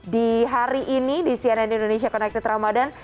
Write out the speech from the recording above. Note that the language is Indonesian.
di hari ini di cnn indonesia connected ramadhan